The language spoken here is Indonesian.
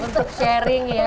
untuk sharing ya